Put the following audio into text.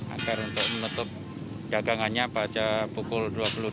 agar untuk menutup dagangannya pada pukul dua puluh dua